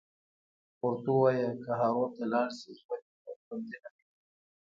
ورته ووایه که هارو ته لاړ شي ژوند یې خوندي ندی